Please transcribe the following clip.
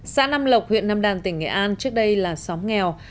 xã nam lộc huyện nam đàn tỉnh nghệ an trước đây là xóm nghèo